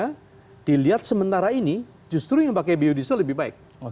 karena dilihat sementara ini justru yang pakai biodiesel lebih baik